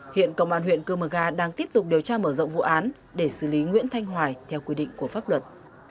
hiện công an huyện cơ mờ ga đang tiếp tục điều tra mở rộng vụ án để xử lý nguyễn thanh hoài theo quy định của pháp luật